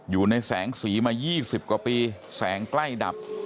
อยู่ในแสงศีรม้ายี่สิบกว่าปีแสงใกล้ดับ